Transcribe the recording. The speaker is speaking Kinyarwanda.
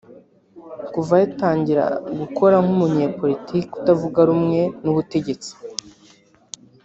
kuva yatangira gukora nk’umunyepolitiki utavuga rumwe n’ubutegetsi